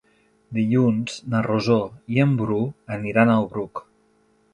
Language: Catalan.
Dilluns na Rosó i en Bru aniran al Bruc.